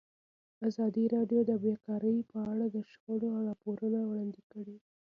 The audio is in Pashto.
ازادي راډیو د بیکاري په اړه د شخړو راپورونه وړاندې کړي.